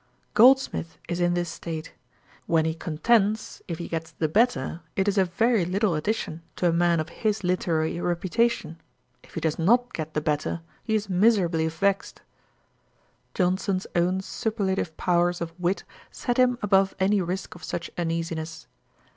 Goldsmith is in this state. When he contends, if he gets the better, it is a very little addition to a man of his literary reputation: if he does not get the better, he is miserably vexed.' Johnson's own superlative powers of wit set him above any risk of such uneasiness.